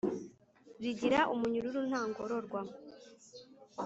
rigira umunyururu nta ngororwa